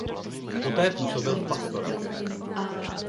Poté působil v pastoraci.